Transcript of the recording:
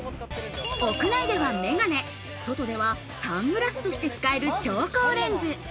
屋内では眼鏡、外ではサングラスとして使える調光レンズ。